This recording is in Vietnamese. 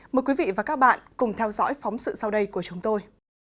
mời quý vị và các bạn cùng theo dõi phóng sự sau đây của chúng tôi